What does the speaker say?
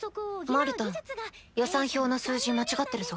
マルタン予算表の数字間違ってるぞ。